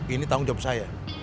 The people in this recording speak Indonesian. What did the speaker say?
ini tanggung jawab saya